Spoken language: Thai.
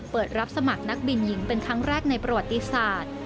เปิดรับสมัครนักบินหญิงเป็นครั้งแรกในประวัติศาสตร์